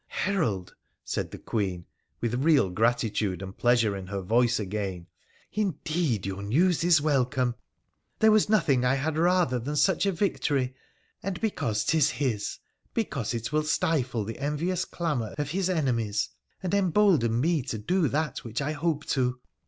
' Herald,' said the Queen, with real gratitude and pleasure in her voice again, ' indeed your news is welcome. There was nothing I had rather than such a victory, and because 'tis his, because it will stifle the envious clamour of his enemies, and embolden me to do that which I hope to.